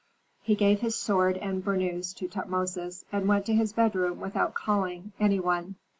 He gave his sword and burnous to Tutmosis, and went to his bedroom without calling any one.